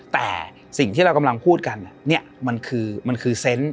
แต่สิ่งที่เรากำลังพูดกันมันคือเซนส์